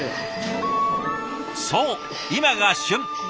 そう今が旬！